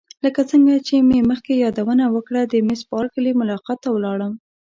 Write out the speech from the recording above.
لکه څنګه چې مې مخکې یادونه وکړه د میس بارکلي ملاقات ته ولاړم.